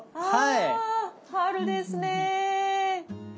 あ春ですね。